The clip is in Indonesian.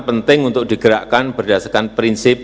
penting untuk digerakkan berdasarkan prinsip